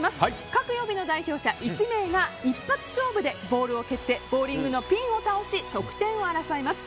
各曜日の代表者１名が一発勝負でボールを蹴ってボウリングのピンを倒し得点を争います。